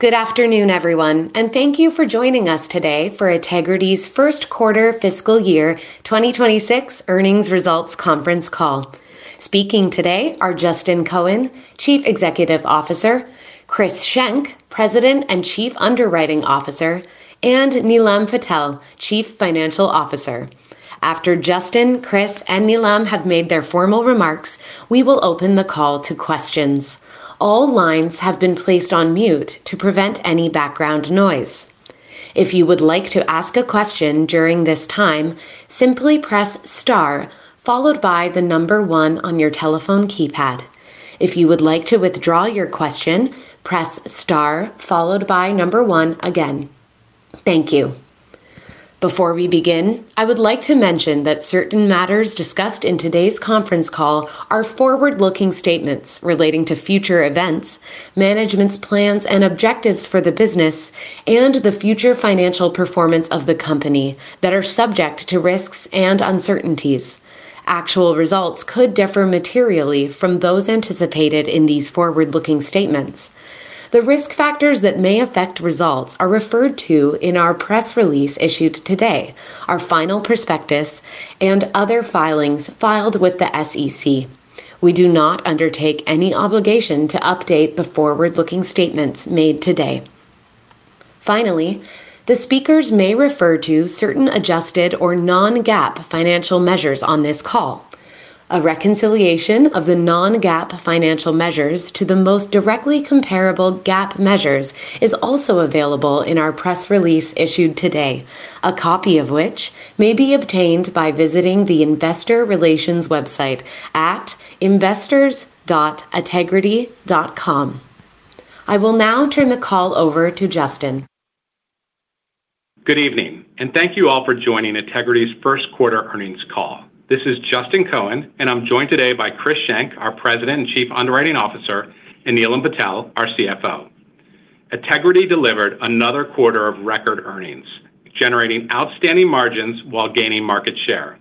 Good afternoon, everyone, and thank you for joining us today for Ategrity 1st quarter fiscal year 2026 earnings results conference call. Speaking today are Justin Cohen, Chief Executive Officer, Chris Schenk, President and Chief Underwriting Officer, and Neelam Patel, Chief Financial Officer. After Justin, Chris, and Neelam have made their formal remarks, we will open the call to questions. All lines have been placed on mute to prevent any background noise. If you would like to ask a question during this time, simply press star followed by the number one on your telephone keypad. If you would like to withdraw your question, press star followed by number one again. Thank you. Before we begin, I would like to mention that certain matters discussed in today's conference call are forward-looking statements relating to future events, management's plans and objectives for the business, and the future financial performance of the company that are subject to risks and uncertainties. Actual results could differ materially from those anticipated in these forward-looking statements. The risk factors that may affect results are referred to in our press release issued today, our final prospectus and other filings filed with the SEC. We do not undertake any obligation to update the forward-looking statements made today. Finally, the speakers may refer to certain adjusted or non-GAAP financial measures on this call. A reconciliation of the non-GAAP financial measures to the most directly comparable GAAP measures is also available in our press release issued today. A copy of which may be obtained by visiting the investor relations website at investors.ategrity.com. I will now turn the call over to Justin. Good evening. Thank you all for joining Ategrity first quarter earnings call. This is Justin Cohen, and I'm joined today by Chris Schenk, our President and Chief Underwriting Officer, and Neelam Patel, our CFO. Ategrity delivered another quarter of record earnings, generating outstanding margins while gaining market share.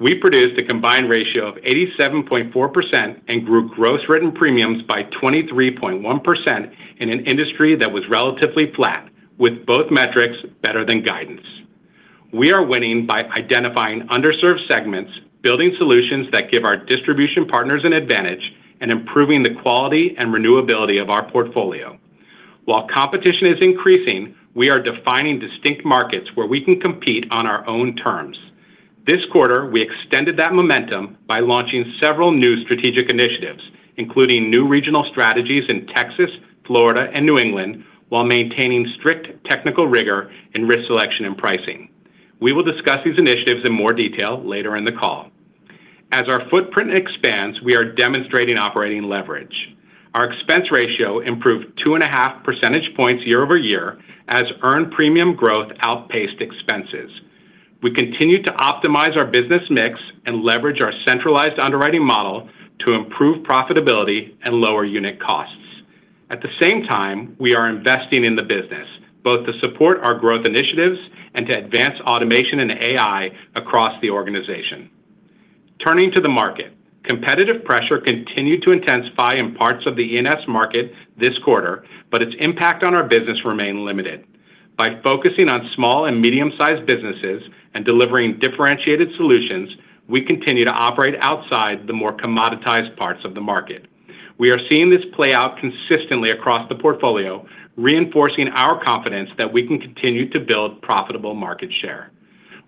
We produced a combined ratio of 87.4% and grew gross written premiums by 23.1% in an industry that was relatively flat, with both metrics better than guidance. We are winning by identifying underserved segments, building solutions that give our distribution partners an advantage, and improving the quality and renewability of our portfolio. While competition is increasing, we are defining distinct markets where we can compete on our own terms. This quarter, we extended that momentum by launching several new strategic initiatives, including new regional strategies in Texas, Florida, and New England, while maintaining strict technical rigor in risk selection and pricing. We will discuss these initiatives in more detail later in the call. As our footprint expands, we are demonstrating operating leverage. Our expense ratio improved 2.5 percentage points year-over-year as earned premium growth outpaced expenses. We continue to optimize our business mix and leverage our centralized underwriting model to improve profitability and lower unit costs. At the same time, we are investing in the business, both to support our growth initiatives and to advance automation and AI across the organization. Turning to the market. Competitive pressure continued to intensify in parts of the E&S market this quarter, but its impact on our business remained limited. By focusing on small and medium-sized businesses and delivering differentiated solutions, we continue to operate outside the more commoditized parts of the market. We are seeing this play out consistently across the portfolio, reinforcing our confidence that we can continue to build profitable market share.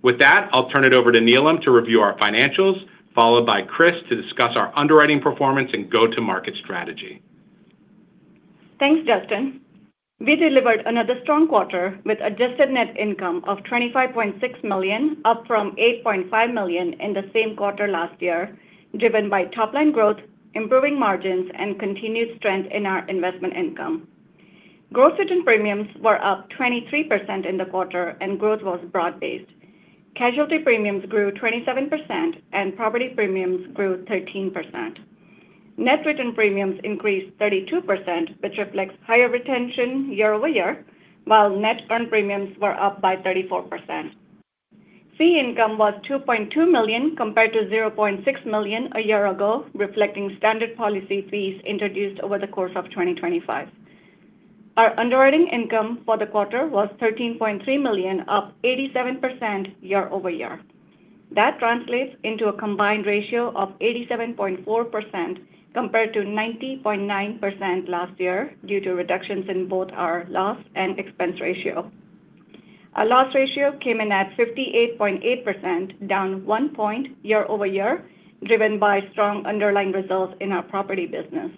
With that, I'll turn it over to Neelam to review our financials, followed by Chris to discuss our underwriting performance and go-to-market strategy. Thanks, Justin. We delivered another strong quarter with adjusted net income of $25.6 million, up from $8.5 million in the same quarter last year, driven by top-line growth, improving margins, and continued strength in our investment income. Gross written premiums were up 23% in the quarter and growth was broad-based. Casualty premiums grew 27% and property premiums grew 13%. Net written premiums increased 32%, which reflects higher retention year-over-year, while net earned premiums were up by 34%. Fee income was $2.2 million compared to $0.6 million a year ago, reflecting standard policy fees introduced over the course of 2025. Our underwriting income for the quarter was $13.3 million, up 87% year-over-year. That translates into a combined ratio of 87.4% compared to 90.9% last year due to reductions in both our loss and expense ratio. Our loss ratio came in at 58.8%, down one point year-over-year, driven by strong underlying results in our property business.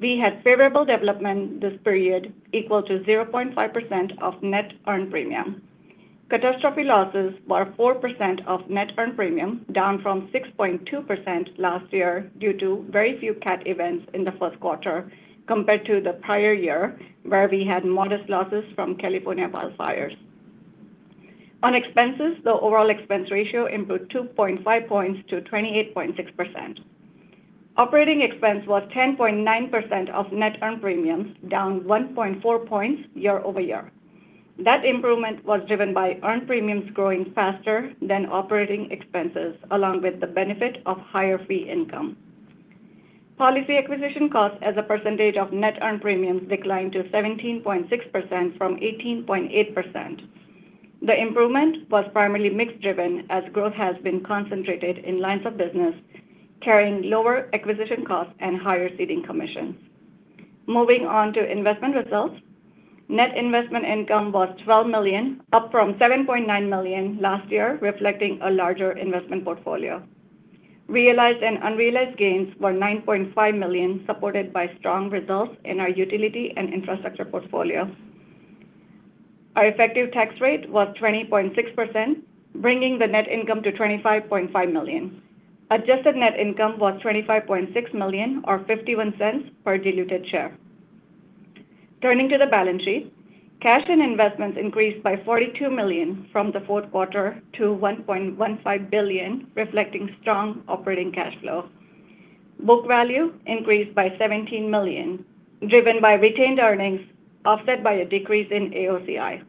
We had favorable development this period equal to 0.5% of net earned premium. Catastrophe losses were 4% of net earned premium, down from 6.2% last year due to very few cat events in the first quarter compared to the prior year where we had modest losses from California wildfires. On expenses, the overall expense ratio improved 2.5 points to 28.6%. Operating expense was 10.9% of net earned premiums, down 1.4 points year-over-year. That improvement was driven by earned premiums growing faster than operating expenses along with the benefit of higher fee income. Policy acquisition costs as a percentage of net earned premiums declined to 17.6% from 18.8%. The improvement was primarily mix-driven as growth has been concentrated in lines of business carrying lower acquisition costs and higher ceding commissions. Moving on to investment results. Net investment income was $12 million, up from $7.9 million last year, reflecting a larger investment portfolio. Realized and unrealized gains were $9.5 million, supported by strong results in our utility and infrastructure portfolio. Our effective tax rate was 20.6%, bringing the net income to $25.5 million. Adjusted net income was $25.6 million, or $0.51 per diluted share. Turning to the balance sheet, cash and investments increased by $42 million from the fourth quarter to $1.15 billion, reflecting strong operating cash flow. Book value increased by $17 million, driven by retained earnings, offset by a decrease in AOCI.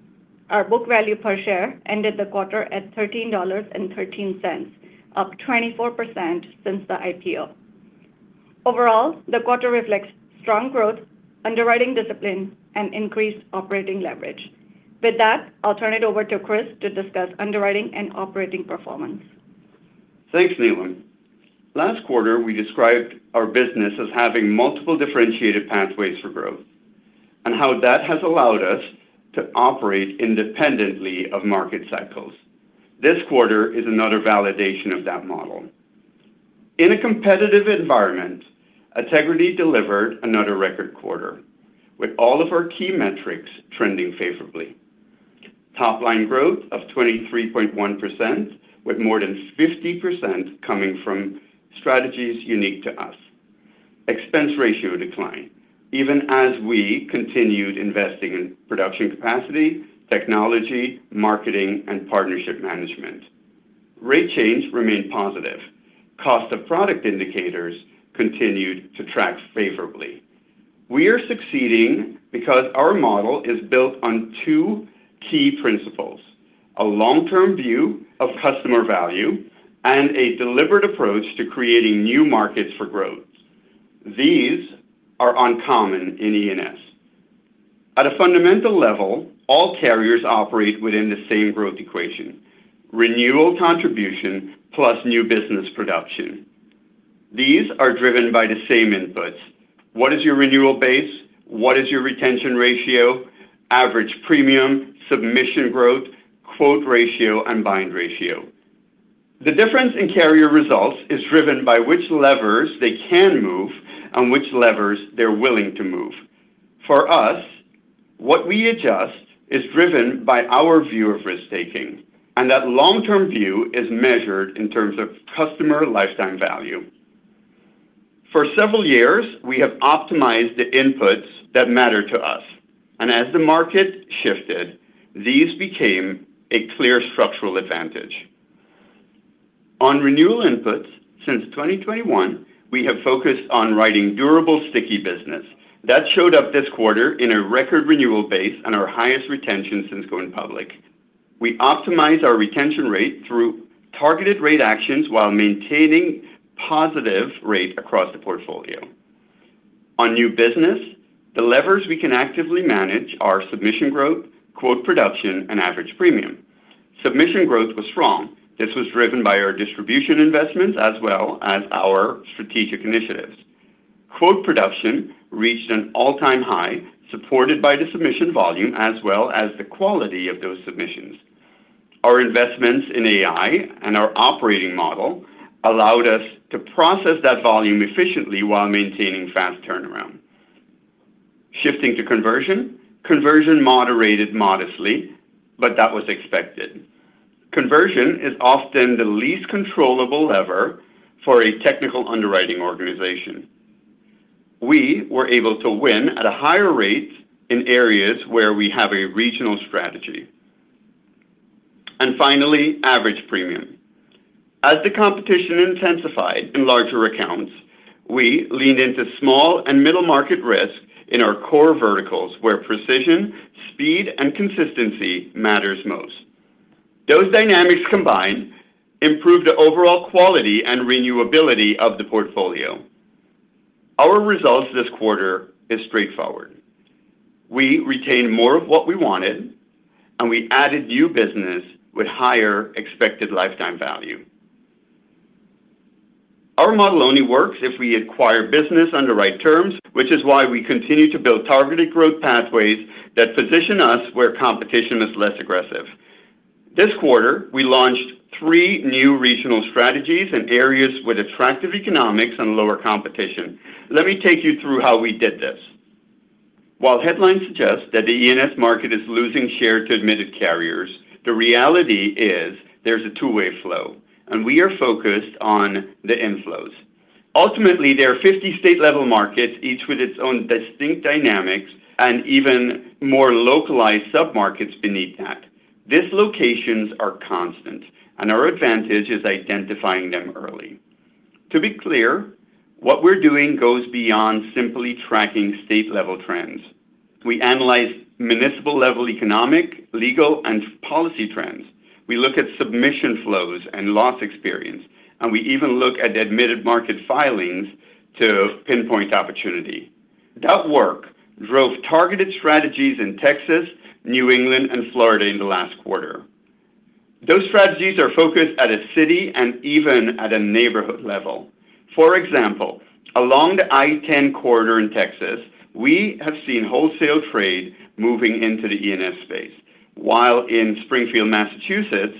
Our book value per share ended the quarter at $13.13, up 24% since the IPO. Overall, the quarter reflects strong growth, underwriting discipline, and increased operating leverage. With that, I'll turn it over to Chris to discuss underwriting and operating performance. Thanks, Neelam. Last quarter, we described our business as having multiple differentiated pathways for growth and how that has allowed us to operate independently of market cycles. This quarter is another validation of that model. In a competitive environment, Ategrity delivered another record quarter with all of our key metrics trending favorably. Top line growth of 23.1% with more than 50% coming from strategies unique to us. Expense ratio decline, even as we continued investing in production capacity, technology, marketing, and partnership management. Rate change remained positive. Cost of product indicators continued to track favorably. We are succeeding because our model is built on two key principles, a long-term view of customer value and a deliberate approach to creating new markets for growth. These are uncommon in E&S. At a fundamental level, all carriers operate within the same growth equation, renewal contribution plus new business production. These are driven by the same inputs. What is your renewal base? What is your retention ratio? Average premium, submission growth, quote ratio, and bind ratio. The difference in carrier results is driven by which levers they can move and which levers they're willing to move. For us, what we adjust is driven by our view of risk-taking, and that long-term view is measured in terms of customer lifetime value. For several years, we have optimized the inputs that matter to us, and as the market shifted, these became a clear structural advantage. On renewal inputs, since 2021, we have focused on writing durable, sticky business. That showed up this quarter in a record renewal base and our highest retention since going public. We optimize our retention rate through targeted rate actions while maintaining positive rate across the portfolio. On new business, the levers we can actively manage are submission growth, quote production, and average premium. Submission growth was strong. This was driven by our distribution investments as well as our strategic initiatives. Quote production reached an all-time high, supported by the submission volume as well as the quality of those submissions. Our investments in AI and our operating model allowed us to process that volume efficiently while maintaining fast turnaround. Shifting to conversion. Conversion moderated modestly, but that was expected. Conversion is often the least controllable lever for a technical underwriting organization. We were able to win at a higher rate in areas where we have a regional strategy. Finally, average premium. As the competition intensified in larger accounts, we leaned into small and middle market risk in our core verticals where precision, speed, and consistency matters most. Those dynamics combined improved the overall quality and renewability of the portfolio. Our results this quarter is straightforward. We retained more of what we wanted. We added new business with higher expected lifetime value. Our model only works if we acquire business on the right terms, which is why we continue to build targeted growth pathways that position us where competition is less aggressive. This quarter, we launched three new regional strategies in areas with attractive economics and lower competition. Let me take you through how we did this. While headlines suggest that the E&S market is losing share to admitted carriers, the reality is there's a two-way flow, and we are focused on the inflows. Ultimately, there are 50 state-level markets, each with its own distinct dynamics and even more localized submarkets beneath that. These locations are constant, and our advantage is identifying them early. To be clear, what we're doing goes beyond simply tracking state-level trends. We analyze municipal level economic, legal, and policy trends. We look at submission flows and loss experience. We even look at admitted market filings to pinpoint opportunity. That work drove targeted strategies in Texas, New England, and Florida in the last quarter. Those strategies are focused at a city and even at a neighborhood level. For example, along the I-10 corridor in Texas, we have seen wholesale trade moving into the E&S space. While in Springfield, Massachusetts,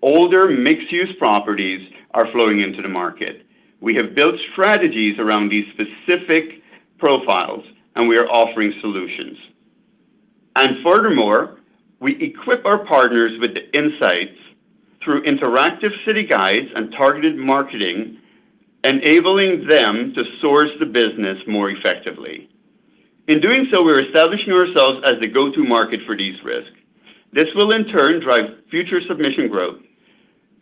older mixed-use properties are flowing into the market. We have built strategies around these specific profiles and we are offering solutions. Furthermore, we equip our partners with the insights through interactive city guides and targeted marketing, and abling them to source the business more effectively. In doing so, we're establishing ourselves as the go-to market for these risks. This will in turn drive future submission growth,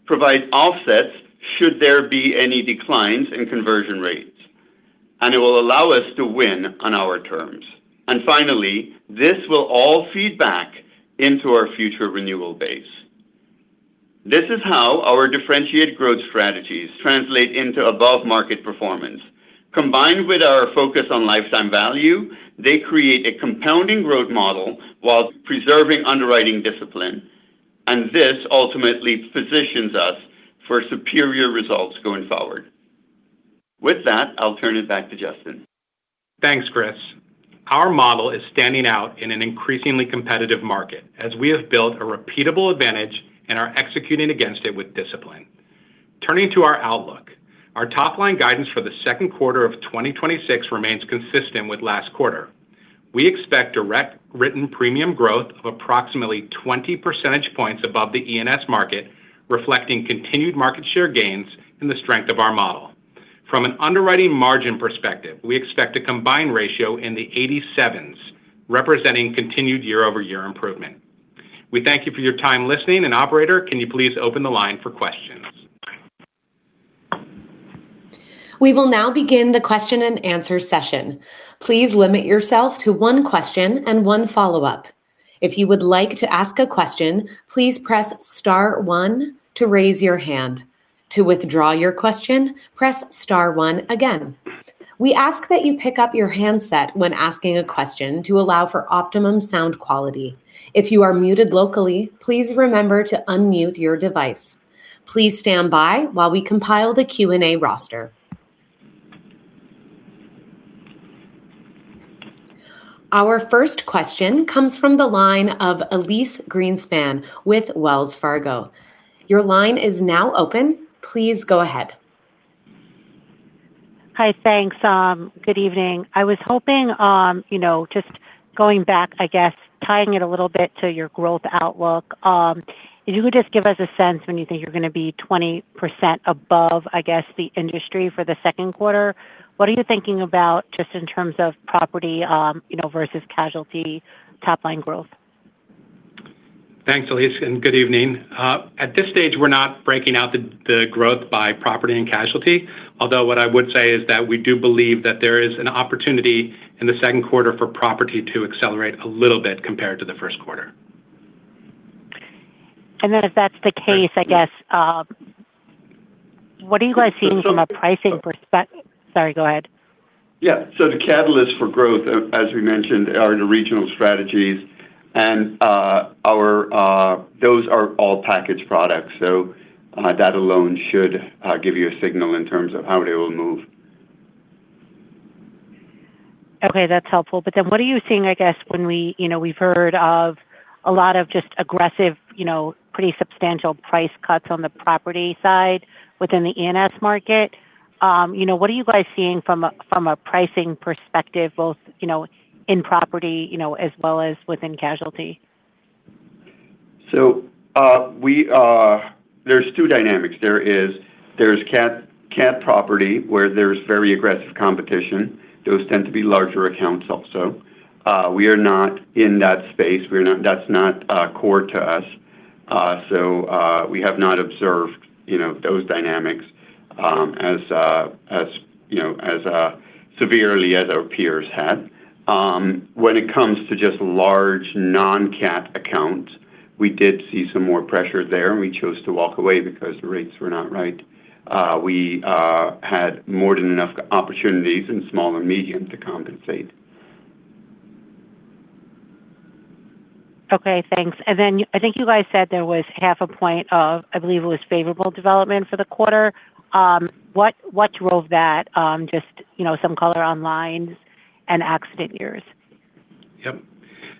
provide offsets should there be any declines in conversion rates, and it will allow us to win on our terms. Finally, this will all feed back into our future renewal base. This is how our differentiated growth strategies translate into above-market performance. Combined with our focus on customer lifetime value, they create a compounding growth model while preserving underwriting discipline, and this ultimately positions us for superior results going forward. With that, I'll turn it back to Justin. Thanks, Chris. Our model is standing out in an increasingly competitive market as we have built a repeatable advantage and are executing against it with discipline. Turning to our outlook, our top-line guidance for the second quarter of 2026 remains consistent with last quarter. We expect direct written premium growth of approximately 20 percentage points above the E&S market, reflecting continued market share gains and the strength of our model. From an underwriting margin perspective, we expect a combined ratio in the 87s, representing continued year-over-year improvement. We thank you for your time listening. Operator, can you please open the line for questions? We will now begin the question-and-answer session. Please limit yourself to one question and one follow-up. If you would like to ask a question, please press star one to raise your hand. To withdraw your question, press star one again. We ask that you pick up your handset when asking a question to allow for optimum sound quality. If you are muted locally, please remember to unmute your device. Please stand by while we compile the Q&A roster. Our first question comes from the line of Elyse Greenspan with Wells Fargo. Your line is now open. Please go ahead. Hi, thanks. Good evening. I was hoping, you know, just going back, I guess, tying it a little to your growth outlook, if you could just give us a sense when you think you're going to be 20% above, I guess, the industry for the second quarter. What are you thinking about just in terms of property, versus casualty top line growth? Thanks, Elyse, and good evening. At this stage, we're not breaking out the growth by property and casualty. Although what I would say is that we do believe that there is an opportunity in the second quarter for property to accelerate a little bit compared to the first quarter. If that's the case, I guess, what are you guys seeing from a pricing? Sorry, go ahead. Yeah. The catalyst for growth, as we mentioned, are the regional strategies and our, those are all packaged products, that alone should give you a signal in terms of how they will move. Okay, that's helpful. What are you seeing, I guess, when we, you know, we've heard of a lot of just aggressive, you know, pretty substantial price cuts on the property side within the E&S market. You know, what are you guys seeing from a from a pricing perspective both, you know, in property, you know, as well as within casualty? There's two dynamics. There's cat property, where there's very aggressive competition. Those tend to be larger accounts also. We are not in that space. That's not core to us. We have not observed, you know, those dynamics as severely as our peers have. When it comes to just large non-cat accounts, we did see some more pressure there, and we chose to walk away because the rates were not right. We had more than enough opportunities in small and medium to compensate. Okay, thanks. Then I think you guys said there was half a point of, I believe it was favorable development for the quarter. What drove that? Just, you know, some color on lines and accident years. Yep.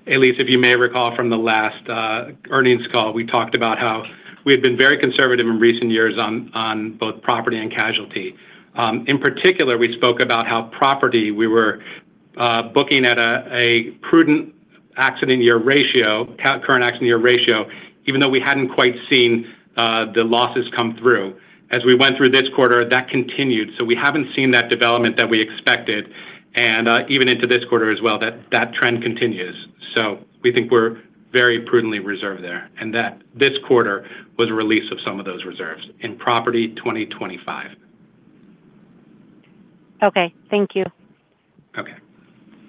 Elyse, if you may recall from the last earnings call, we talked about how we have been very conservative in recent years on both property and casualty. In particular, we spoke about how property we were booking at a prudent accident year ratio, current accident year ratio, even though we hadn't quite seen the losses come through. As we went through this quarter, that continued, so we haven't seen that development that we expected, and even into this quarter as well, that trend continues. We think we're very prudently reserved there, and that this quarter was a release of some of those reserves in property 2025. Okay. Thank you. Okay.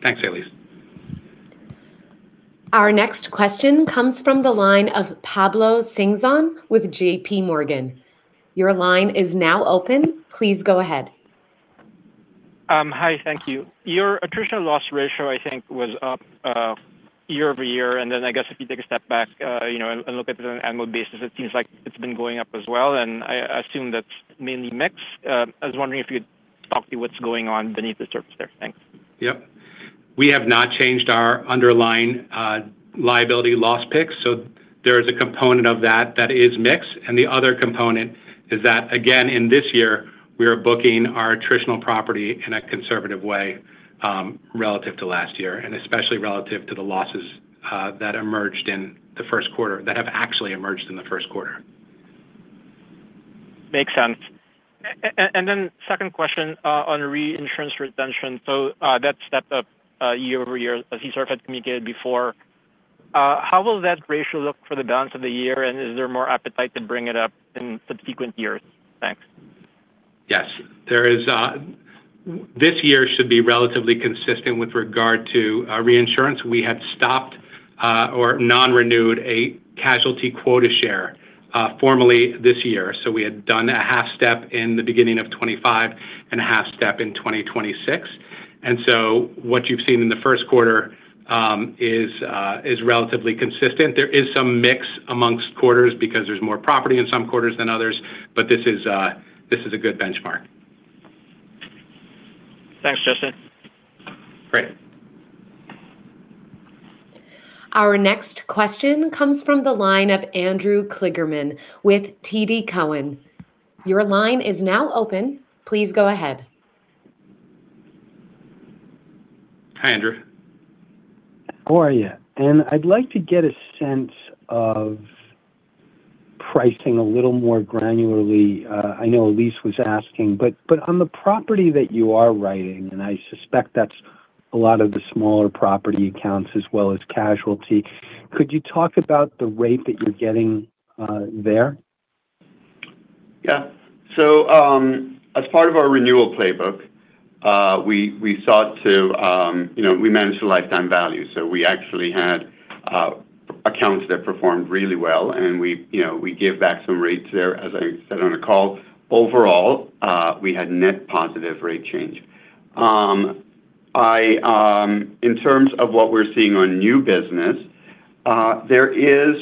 Thanks, Elyse. Our next question comes from the line of Pablo Singzon with JPMorgan. Your line is now open. Please go ahead. Hi. Thank you. Your attritional loss ratio, I think, was up year-over-year. Then I guess if you take a step back, you know, and look at it on an annual basis, it seems like it's been going up as well, and I assume that's mainly mix. I was wondering if you'd talk to what's going on beneath the surface there. Thanks. Yep. We have not changed our underlying liability loss picks, so there is a component of that that is mix. The other component is that, again, in this year, we are booking our attritional property in a conservative way, relative to last year and especially relative to the losses that emerged in the first quarter, that have actually emerged in the first quarter. Makes sense. Then second question on reinsurance retention. That stepped up year-over-year as you sort of had communicated before. How will that ratio look for the balance of the year, and is there more appetite to bring it up in subsequent years? Thanks. Yes. This year should be relatively consistent with regard to reinsurance. We had stopped or non-renewed a casualty quota share formally this year. We had done a half step in the beginning of 2025 and a half step in 2026. What you've seen in the first quarter is relatively consistent. There is some mix amongst quarters because there's more property in some quarters than others, but this is a good benchmark. Thanks, Justin. Great. Our next question comes from the line of Andrew Kligerman with TD Cowen. Your line is now open. Please go ahead. Hi, Andrew. How are you? I'd like to get a sense of pricing a little more granularly. I know Elyse was asking, but on the property that you are writing, and I suspect that's a lot of the smaller property accounts as well as casualty, could you talk about the rate that you're getting there? Yeah. As part of our renewal playbook, we sought to, you know, we managed the lifetime value. So we actually had accounts that performed really well and we, you know, we gave back some rates there, as I said on the call. Overall, we had net positive rate change. I, in terms of what we're seeing on new business, there is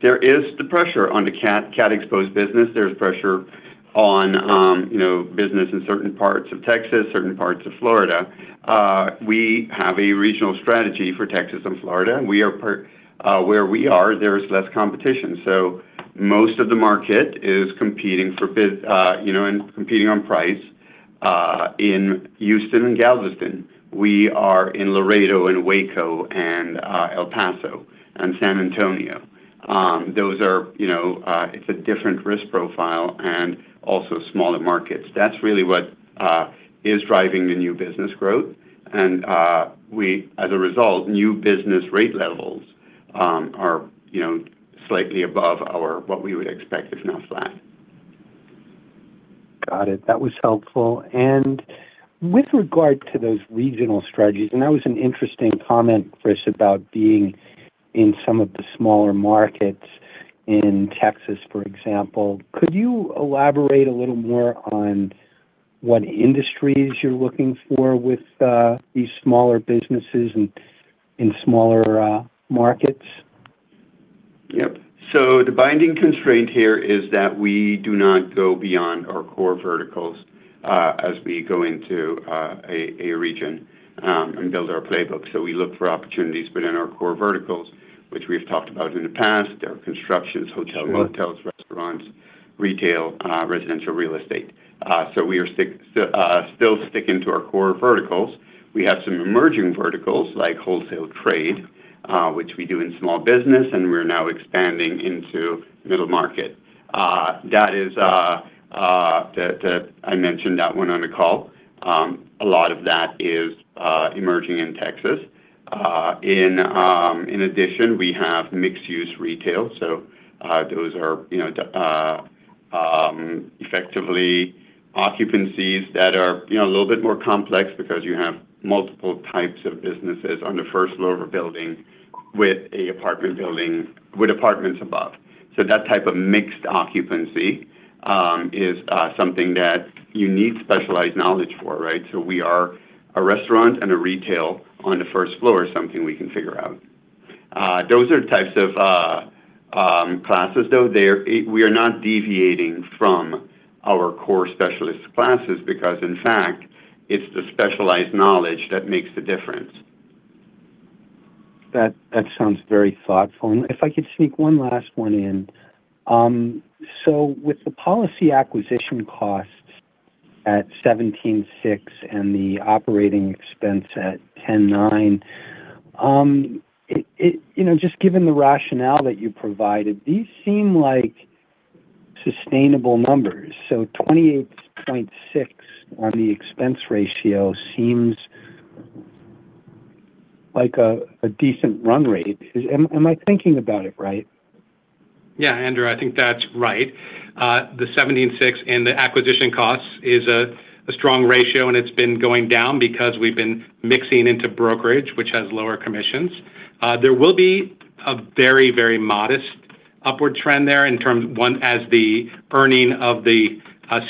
the pressure on the cat-exposed business. There's pressure on, you know, business in certain parts of Texas, certain parts of Florida. We have a regional strategy for Texas and Florida. Where we are, there is less competition. Most of the market is competing for biz, you know, and competing on price in Houston and Galveston. We are in Laredo and Waco and El Paso and San Antonio. Those are, you know, it's a different risk profile and also smaller markets. That's really what is driving the new business growth. We as a result, new business rate levels, are, you know, slightly above our, what we would expect if not flat. Got it. That was helpful. With regard to those regional strategies, and that was an interesting comment, Chris, about being in some of the smaller markets in Texas, for example, could you elaborate a little more on what industries you're looking for with these smaller businesses and in smaller markets? Yep. The binding constraint here is that we do not go beyond our core verticals as we go into a region and build our playbook. So we look for opportunities but in our core verticals, which we've talked about in the past. They're constructions, hotel, motels, restaurants, retail, residential real estate. We are still sticking to our core verticals. We have some emerging verticals like wholesale trade, which we do in small business, and we're now expanding into middle market. That is I mentioned that one on the call. A lot of that is emerging in Texas. In addition, we have mixed use retail. Those are, you know, effectively occupancies that are, you know, a little bit more complex because you have multiple types of businesses on the first floor of a building with an apartment building with apartments above. So that type of mixed occupancy is something that you need specialized knowledge for, right? We are a restaurant and a retail on the first floor is something we can figure out. Those are types of classes, though we are not deviating from our core specialist classes because, in fact, it's the specialized knowledge that makes the difference. That sounds very thoughtful. If I could sneak one last one in. With the policy acquisition costs at $17.6 and the operating expense at $10.9, it, you know, just given the rationale that you provided, these seem like sustainable numbers. 28.6% on the expense ratio seems like a decent run rate. Am I thinking about it right? Andrew, I think that's right. The 76 and the acquisition cost is a strong ratio, and it's been going down because we've been mixing into brokerage, which has lower commissions. There will be a very, very modest upward trend there in terms, one, as the earning of the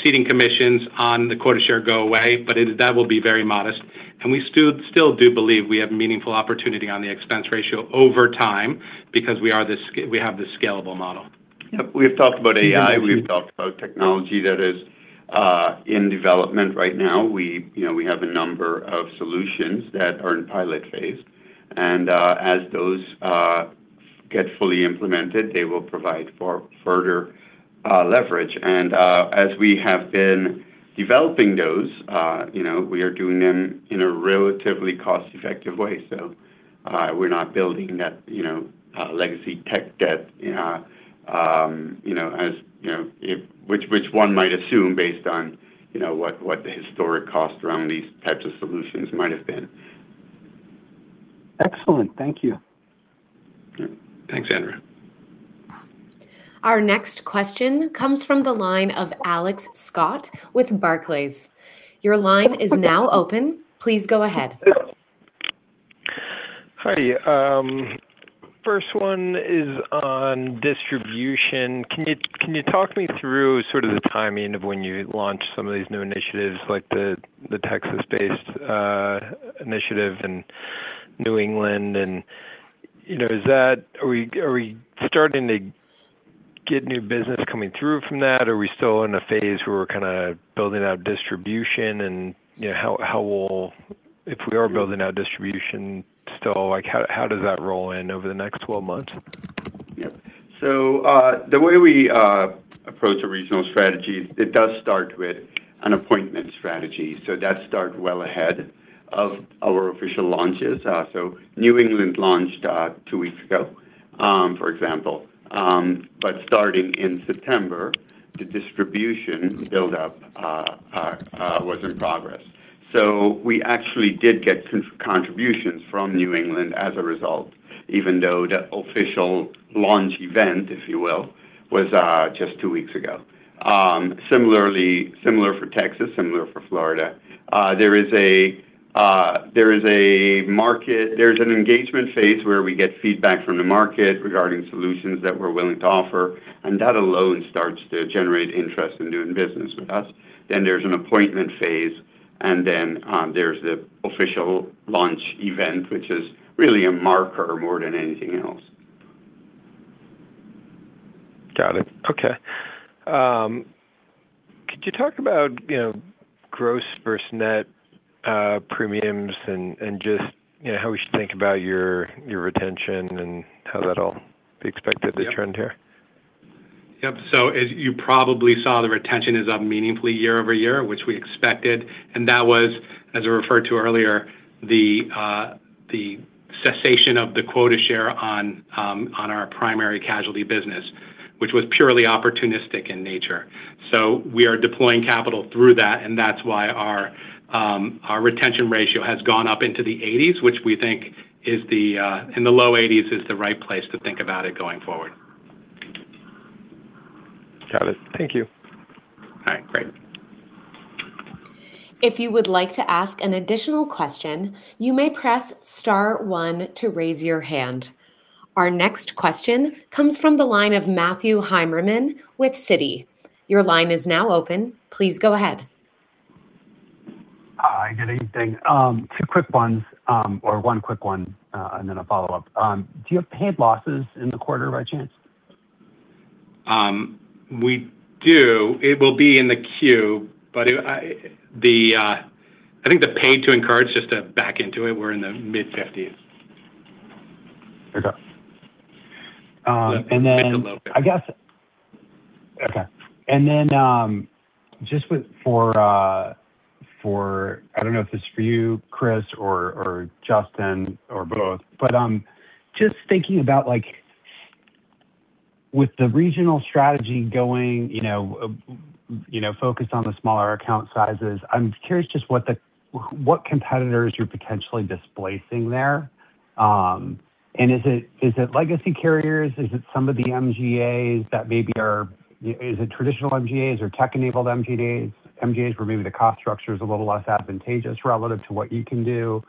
ceding commissions on the quota share go away, but that will be very modest. We still do believe we have meaningful opportunity on the expense ratio over time because we have this scalable model. Yep, we have talked about AI, we've talked about technology that is in development right now. We, you know, we have a number of solutions that are in pilot phase, as those get fully implemented, they will provide for further leverage. As we have been developing those, you know, we are doing them in a relatively cost-effective way. So we're not building that, you know, legacy tech debt, you know, as, you know, which one might assume based on, you know, what the historic cost around these types of solutions might have been. Excellent. Thank you. Yeah. Thanks, Andrew. Our next question comes from the line of Alex Scott with Barclays. Your line is now open. Please go ahead. Hi to you. First one is on distribution. Can you talk me through sort of the timing of when you launched some of these new initiatives like the Texas-based initiative in New England and is that, are we starting to get new business coming through from that? Are we still in a phase where we're kind of building out distribution? How are, if we are building out distribution still, like, how does that roll in over the next 12 months? So the way we approach a regional strategy, it does start with an appointment strategy, so that starts well ahead of our official launches. New England launched two weeks ago, for example. Starting in September, the distribution buildup was in progress. We actually did get some contributions from New England as a result, even though the official launch event, if you will, was just two weeks ago. Similarly, similar for Texas, similar for Florida. There is a, there's an engagement phase where we get feedback from the market regarding solutions that we're willing to offer, and that alone starts to generate interest in doing business with us. There's an appointment phase, and then there's the official launch event, which is really a marker more than anything else. Got it. Okay. Could you talk about, you know, gross versus net premiums and just, you know, how we should think about your retention and how that all be expected to trend here? So, as you probably saw, the retention is up meaningfully year-over-year, which we expected, and that was, as I referred to earlier, the cessation of the quota share on our primary casualty business, which was purely opportunistic in nature. So we are deploying capital through that, and that's why our retention ratio has gone up into the 80s, which we think is in the low 80s is the right place to think about it going forward. Got it. Thank you. All right. Great. If you would like to ask an additional question, you may press star one to raise your hand. Our next question comes from the line of Matthew Heimermann with Citi. Your line is now open. Please go ahead. Hi, good evening. Two quick ones, or one quick one, and then a follow-up. Do you have paid losses in the quarter by chance? We do. It will be in the queue, but I think the paid to incurred just to back into it, we're in the mid-50s%. Okay. I guess. Okay. I don't know if it's for you, Chris or Justin or both, but just thinking about, like, with the regional strategy going, you know, focused on the smaller account sizes, I'm curious just what competitors you're potentially displacing there. Is it legacy carriers? Is it some of the MGAs that maybe are. Is it traditional MGAs or tech-enabled MGAs where maybe the cost structure is a little less advantageous relative to what you can do?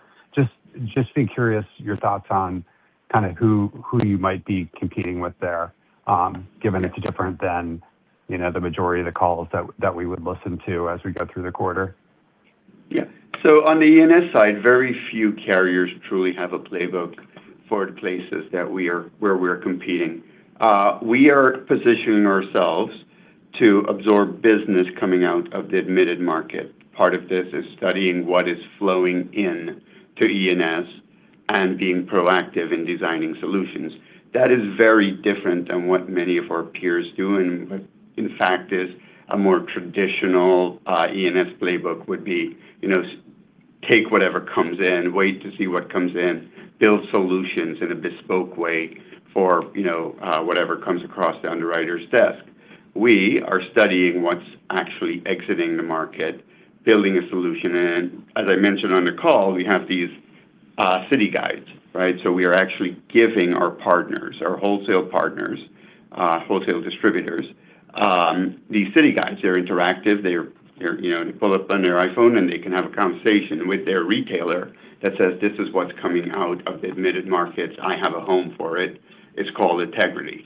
Just be curious your thoughts on kind of who you might be competing with there, given it's different than, you know, the majority of the calls that we would listen to as we go through the quarter. On the E&S side, very few carriers truly have a playbook for the places where we're competing. We are positioning ourselves to absorb business coming out of the admitted market. Part of this is studying what is flowing in to E&S and being proactive in designing solutions. That is very different than what many of our peers do, and in fact is a more traditional E&S playbook would be, you know, take whatever comes in, wait to see what comes in, build solutions in a bespoke way for, you know, whatever comes across the underwriter's desk. We are studying what's actually exiting the market, building a solution. As I mentioned on the call, we have these city guides, right? We are actually giving our partners, our wholesale partners, wholesale distributors, these city guides. They're interactive. They're, you know, they pull up on their iPhone, and they can have a conversation with their retailer that says, "This is what's coming out of the admitted markets. I have a home for it. It's called Ategrity."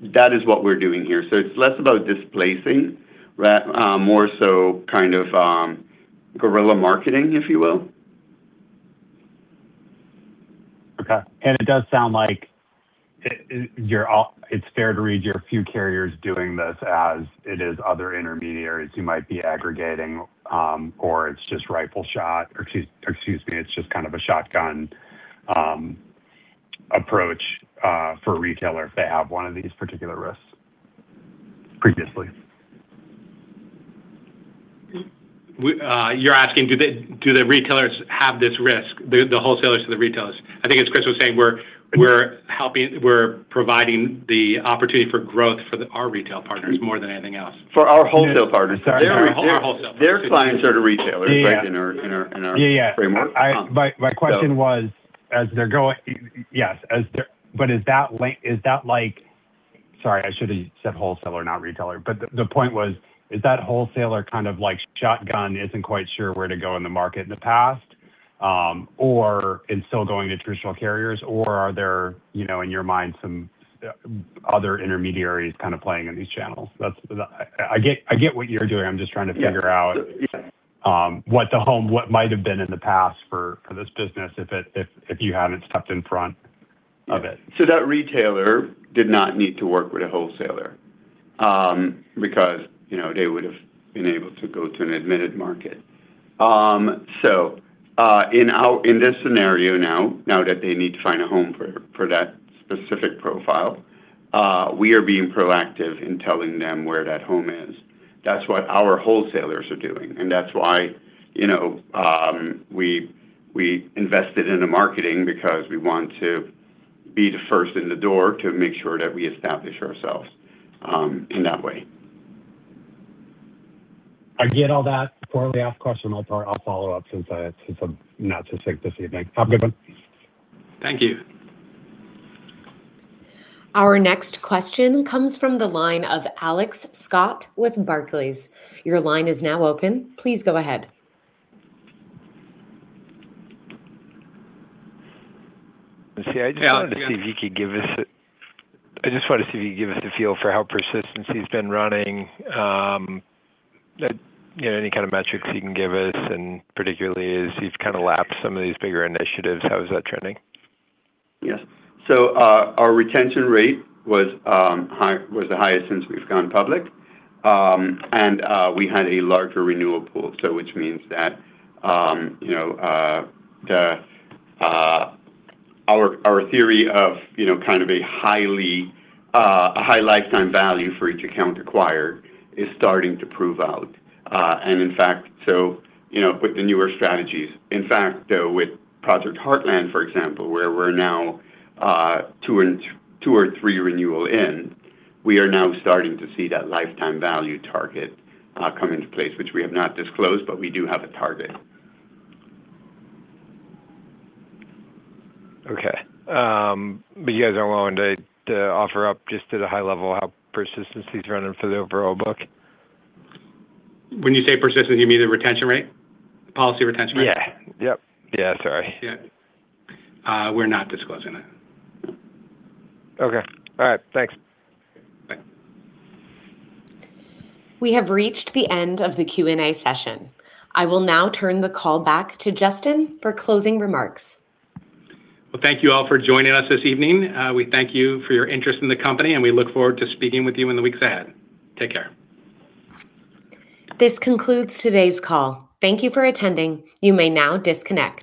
That is what we're doing here. It's less about displacing, more so kind of guerrilla marketing, if you will. Okay. It does sound like it's fair to read you're a few carriers doing this as it is other intermediaries who might be aggregating, or it's just rifle shot. It's just kind of a shotgun approach for a retailer if they have one of these particular risks previously. You're asking do the retailers have this risk, the wholesalers to the retailers. I think as Chris was saying, we're helping. We're providing the opportunity for growth for our retail partners more than anything else. For our wholesale partners. Sorry. Our wholesale partners. Their clients are the retailers. Right... in our, in our, in our- Yeah, yeah.... framework. My question was, is that, like, Sorry, I should have said wholesaler, not retailer. The point was is that wholesaler kind of like shotgun, isn't quite sure where to go in the market in the past, or is still going to traditional carriers? Are there, you know, in your mind, some other intermediaries kind of playing in these channels? I get what you're doing. I'm just trying to figure out. Yeah What the home might have been in the past for this business if you haven't stepped in front of it. That retailer did not need to work with a wholesaler, because, you know, they would've been able to go to an admitted market. In our, in this scenario now that they need to find a home for that specific profile, we are being proactive in telling them where that home is. That's what our wholesalers are doing, and that's why, you know, we invested in the marketing because we want to be the first in the door to make sure that we establish ourselves in that way. I get all that. Poorly asked question. I'll follow up since I'm not too sick this evening. Have a good one. Thank you. Our next question comes from the line of Alex Scott with Barclays. Your line is now open. Please go ahead. Let's see. I just wanted to see. Yeah If you could give us a feel for how persistency's been running. You know, any kind of metrics you can give us, and particularly as you've kind of lapsed some of these bigger initiatives, how is that trending? Yes. Our retention rate was high, was the highest since we've gone public. We had a larger renewal pool, which means that our theory of a high lifetime value for each account acquired is starting to prove out. In fact, with the newer strategies, in fact, though, with Project Heartland, for example, where we're now two or three renewal in, we are now starting to see that lifetime value target come into place, which we have not disclosed, but we do have a target. Okay. You guys aren't willing to offer up just at a high level how persistency's running for the overall book? When you say persistency, you mean the retention rate? The policy retention rate? Yeah. Yep. Yeah, sorry. Yeah. We're not disclosing it. Okay. All right. Thanks. Bye. We have reached the end of the Q&A session. I will now turn the call back to Justin for closing remarks. Well, thank you all for joining us this evening. We thank you for your interest in the company, and we look forward to speaking with you in the weeks ahead. Take care. This concludes today's call. Thank you for attending. You may now disconnect.